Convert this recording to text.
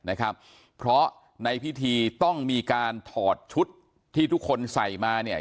นะครับเพราะในพิธีต้องมีการถอดชุดที่ทุกคนใส่มาเนี่ย